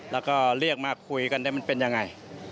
แล้วก็เรียกมาคุยกันได้มันเป็นยังไง